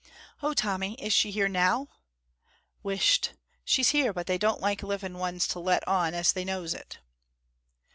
"Oh, Tommy, is she here now?" "Whisht! She's here, but they don't like living ones to let on as they knows it."